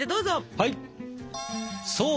はい！